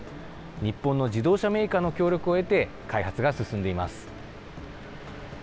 日本の自動車メーカーの協力を得て、開発が進んでいます。